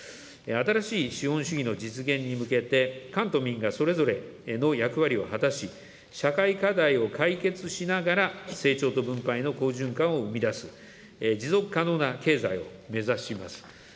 新しい資本主義の実現に向けて、官と民がそれぞれの役割を果たし、社会課題を解決しながら成長と分配の好循環を生み出す持続可能な経済を目指します。